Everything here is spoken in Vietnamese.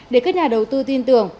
để các nhà đầu tư tin tưởng